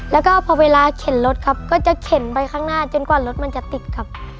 แล้วก็พอเวลาเข็นรถครับก็จะเข็นไปข้างหน้าจนกว่ารถมันจะติดครับ